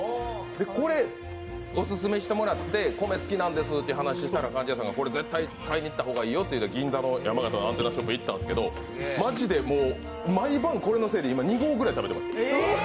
これ、おすすめしてもらって米、好きなんですって話したら貫地谷さんが、これ絶対買いにいった方がいいよということで銀座の山形のアンテナショップに行ったんですけどまじでもう毎晩これのせいで今２合ぐらい米食べてます。